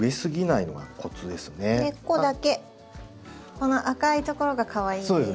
この赤いところがかわいいです。